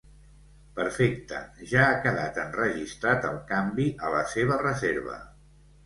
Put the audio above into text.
Perfecte, ja ha quedat enregistrat el canvi a la seva reserva.